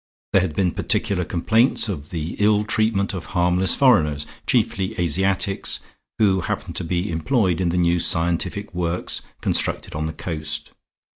There had been particular complaints of the ill treatment of harmless foreigners, chiefly Asiatics, who happened to be employed in the new scientific works constructed on the coast.